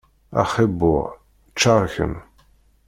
Axxi-buh, ččar kemm!